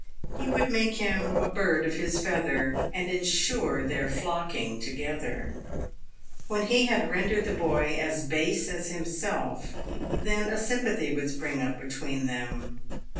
He would make him a bird of his feather, and ensure their nocking toge ther. When he had rendered the boy as base as himself, then a sympathy would spring up between them.